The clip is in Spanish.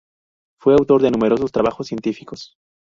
Fue autor de numerosos trabajos científicos.